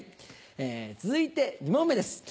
続いて２問目です。